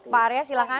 pak arya silahkan